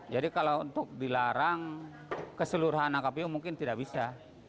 jadi kalau untuk dilarang keseluruhan angkap hiu mungkin tidak bisa